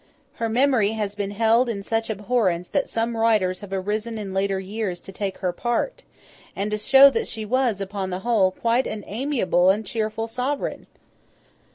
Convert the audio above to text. Her memory has been held in such abhorrence that some writers have arisen in later years to take her part, and to show that she was, upon the whole, quite an amiable and cheerful sovereign!